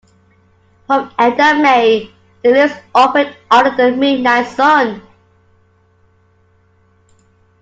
From end of May the lifts operate under the midnight sun.